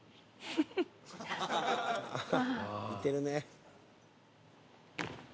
似てるね。